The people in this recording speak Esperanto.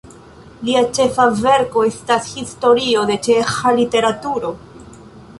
Lia ĉefa verko estas Historio de ĉeĥa literaturo.